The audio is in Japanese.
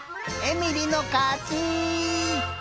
えみりのかち！